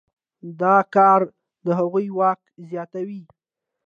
دا کار د هغوی واک زیاتوي.